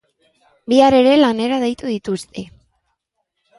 Bihar ere lanera deitu dituzte.